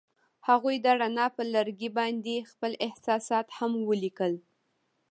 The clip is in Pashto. هغوی د رڼا پر لرګي باندې خپل احساسات هم لیکل.